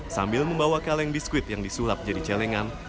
sambil membawa kaleng biskuit yang disulap jadi celengan